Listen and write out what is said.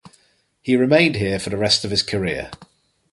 He remained here for the rest of his career.